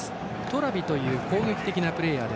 トラビという攻撃的なプレーヤー。